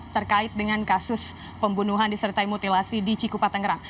terkait dengan kasus pembunuhan disertai mutilasi di cikupa tangerang